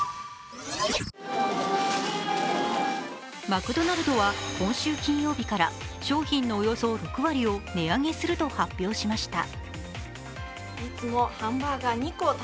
マクドナルドは今週金曜日から、商品のおよそ６割を値上げすると発表しました。